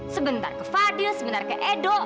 sebentar ke fadil sebentar ke edo